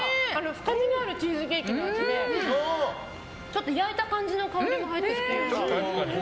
深みのあるチーズケーキの味で焼いた感じの香りも入ってるというか。